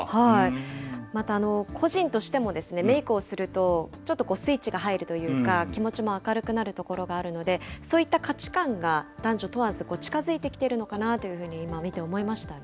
また個人としてもメークをすると、ちょっとスイッチが入るというか、気持ちも明るくなるところがあるので、そういった価値観が、男女問わず近づいてきているのかなと、今、見て思いましたね。